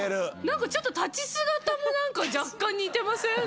何かちょっと立ち姿も若干似てません？